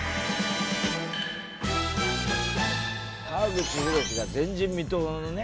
川口浩が前人未踏のね